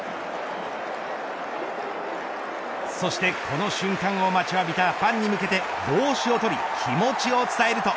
そしてこの瞬間を待ちわびたファンに向けて帽子を取り、気持ちを伝えると。